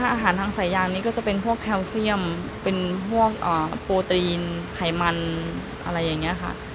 อาหารทางสายยางนี้ก็จะเป็นพวกแคลเซียมเป็นพวกโปรตีนไขมันอะไรอย่างนี้ค่ะ